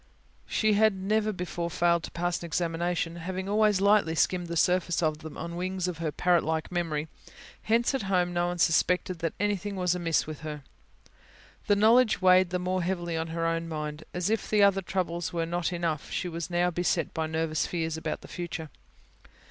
She had never before failed to pass an examination, having always lightly skimmed the surface of them on the wings of her parrot like memory; hence, at home no one suspected that anything was amiss with her. The knowledge weighed the more heavily on her own mind. And, as if her other troubles were not enough, she was now beset by nervous fears about the future.